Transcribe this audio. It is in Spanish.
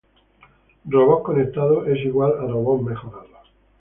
Robots conectados es igual a robots mejorados.